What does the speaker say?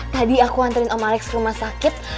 tadi aku anterin om alex ke rumah sakit